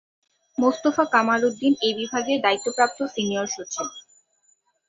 মোস্তফা কামাল উদ্দিন এই বিভাগের দায়িত্বপ্রাপ্ত সিনিয়র সচিব।